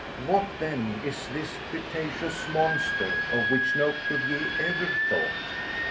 What, then, is this cetaceous monster of which no Cuvier ever thought?